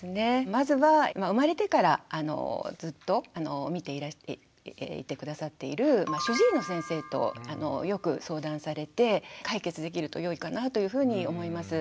まずは生まれてからずっと見ていて下さっている主治医の先生とよく相談されて解決できるとよいかなというふうに思います。